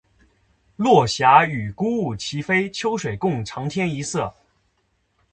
落霞与孤鹜齐飞，秋水共长天一色